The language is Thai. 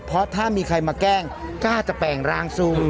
เพราะถ้ามีใครมาแกล้งกล้าจะแปลงร่างสู้